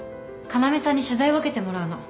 要さんに取材を受けてもらうの。